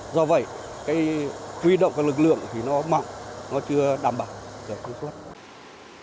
do vậy cái huy động các lực lượng thì nó mỏng nó chưa đảm bảo được cung cấp